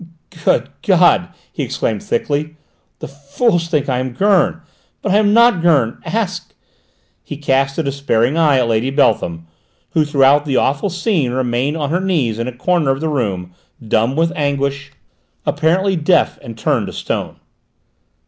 "Good God!" he exclaimed thickly, "the fools think I am Gurn! But I am not Gurn! Ask " He cast a despairing eye at Lady Beltham who throughout the awful scene remained on her knees in a corner of the room, dumb with anguish, apparently deaf and turned to stone.